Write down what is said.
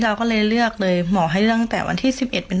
เราก็เลยเลือกเลยหมอให้เลือกตั้งแต่วันที่สิบเอ็ดเป็น